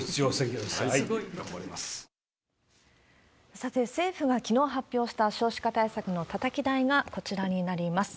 さて、政府がきのう発表した少子化対策のたたき台がこちらになります。